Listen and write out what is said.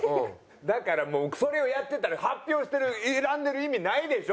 だからもうそれをやってたら発表してる選んでる意味ないでしょ？